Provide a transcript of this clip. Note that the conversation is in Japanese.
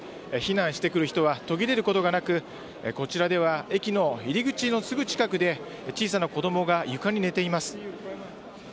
避難してくる人は途切れることがなくこちらでは駅の入り口のすぐ近くで小さな子どもが床に寝ています。